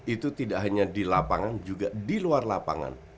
itu tidak hanya di lapangan juga di luar lapangan